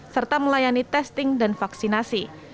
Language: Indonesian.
serta melayani testing dan vaksinasi